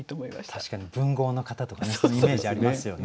確かに文豪の方とかねそういうイメージありますよね。